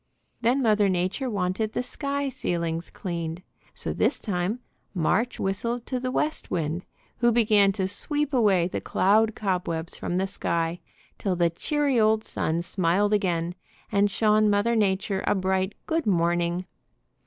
Then Mother Nature wanted the sky ceilings cleaned, so this time March whistled to the West Wind who began to sweep away the cloud cobwebs from the sky till the cheery old sun smiled again, and shone Mother Nature a bright "good morning."